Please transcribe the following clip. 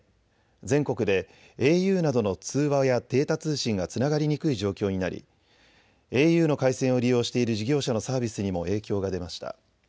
全国でａｕなどの通話やデータ通信がつながりにくい状況になりａｕの回線を利用している事業者のサービスにも影響が出ました。